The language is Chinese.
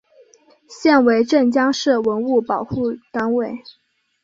现为镇江市文物保护单位。